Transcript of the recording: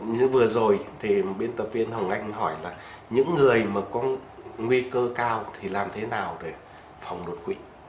như vừa rồi thì biên tập viên hồng anh hỏi là những người mà có nguy cơ cao thì làm thế nào để phòng đột quỵ